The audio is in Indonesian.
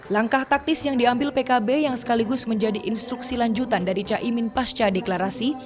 langkah taktis yang diambil pkb yang sekaligus menjadi instruksi lanjutan dari caimin pasca deklarasi